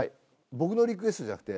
僕のリクエストじゃなくて。